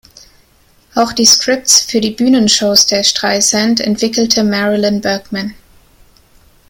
Auch die Scripts für die Bühnenshows der Streisand entwickelte Marilyn Bergman.